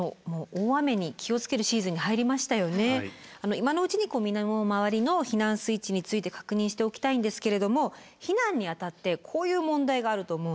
今のうちに身の回りの避難スイッチについて確認しておきたいんですけれども避難にあたってこういう問題があると思うんです。